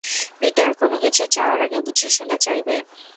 Peter, কোনোকিছু চাওয়ার আগে বুঝেশুনে চাইবে।